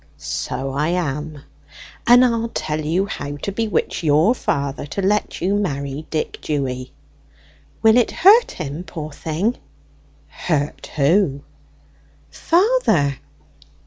"So I am. And I'll tell you how to bewitch your father to let you marry Dick Dewy." "Will it hurt him, poor thing?" "Hurt who?" "Father."